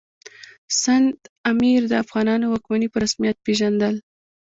سند امیر د افغانانو واکمني په رسمیت پېژندل.